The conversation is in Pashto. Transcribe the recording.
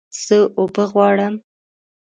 زه اوبه غواړم